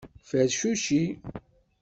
Fercuci.